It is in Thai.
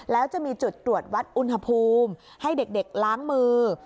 แล้วจะมีจุดตรวจวัดอุณหภูมิให้เด็กล้างมือ